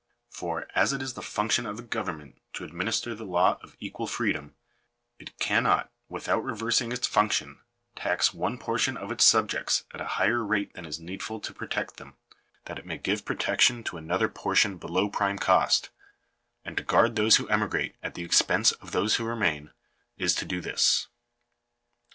For, as it is the function of a govern ment to administer the law of equal freedom, it cannot, without reversing its function, tax one portion of its subjects at a higher rate than is needful to protect them, that it may give protection to another portion below prime cost ; and to guard those who emigrate, at the expense of those who remain, is to do this.